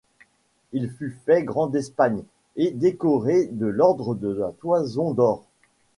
Il fut fait Grand d'Espagne et décoré de l'Ordre de la Toison d'or.